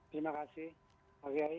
terima kasih pak kiai